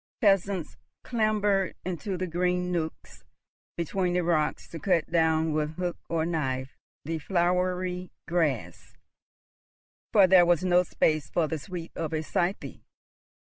Peasants clambered into the green nooks between the rocks to cut down with hook or knife the flowery grass, for there was no space for the sweep of a scythe.